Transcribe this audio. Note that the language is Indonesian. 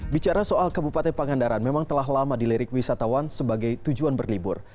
bicara soal kabupaten pangandaran memang telah lama dilirik wisatawan sebagai tujuan berlibur